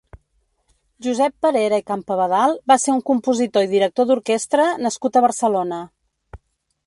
Josep Parera i Campabadal va ser un compositor i director d'orquestra nascut a Barcelona.